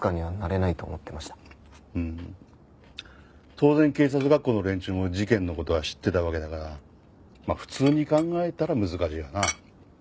当然警察学校の連中も事件の事は知ってたわけだからまあ普通に考えたら難しいわな。